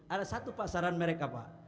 ada satu pak saran mereka pak